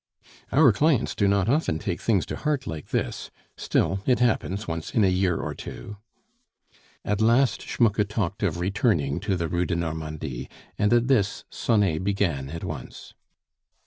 "Our clients do not often take things to heart like this; still, it happens once in a year or two " At last Schmucke talked of returning to the Rue de Normandie, and at this Sonet began at once.